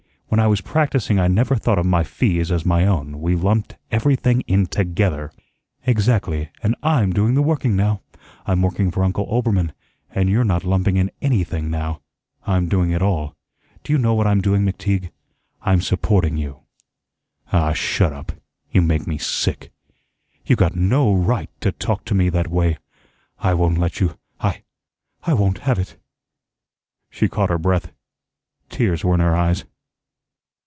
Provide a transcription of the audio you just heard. When I was practising, I never thought of my fees as my own; we lumped everything in together." "Exactly; and I'M doing the working now. I'm working for Uncle Oelbermann, and you're not lumping in ANYTHING now. I'm doing it all. Do you know what I'm doing, McTeague? I'm supporting you." "Ah, shut up; you make me sick." "You got no RIGHT to talk to me that way. I won't let you. I I won't have it." She caught her breath. Tears were in her eyes.